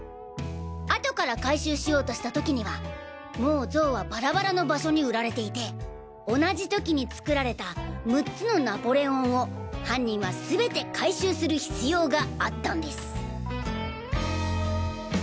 後から回収しようとした時にはもう像はバラバラの場所に売られていて同じ時に作られた６つのナポレオンを犯人はすべて回収する必要があったんです。